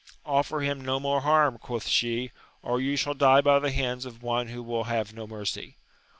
Offer him no more harm, quoth she, or you shall die by the hands of one who will have no mercy.